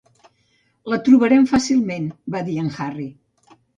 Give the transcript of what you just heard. "La trobarem fàcilment", va dir en Harry.